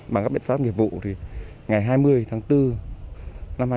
bằng các biện pháp nghiệp vụ thì ngày hai mươi tháng bốn năm hai nghìn hai mươi